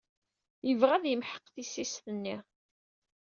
Yebɣa ad yemḥeq tissist-nni.